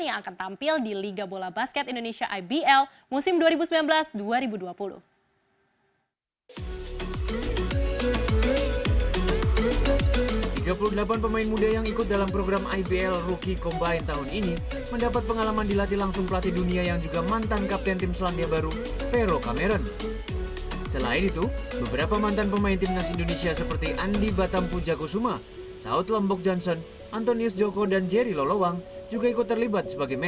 yang akan tampil di liga bola basket indonesia ibl musim dua ribu sembilan belas dua ribu dua puluh